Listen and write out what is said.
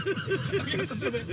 秋山さん、すいません。